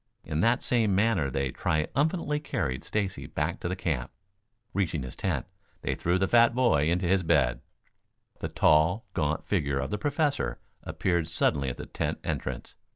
In that manner they triumphantly carried Stacy back to the camp. Reaching his tent, they threw the fat boy into his bed. The tall, gaunt figure of the Professor appeared suddenly at the tent entrance.